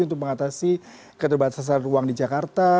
untuk mengatasi keterbatasan ruang di jakarta